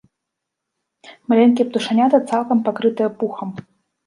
Маленькія птушаняты цалкам пакрытыя пухам.